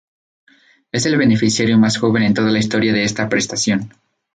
Es el beneficiario más joven en toda la historia de esta prestación.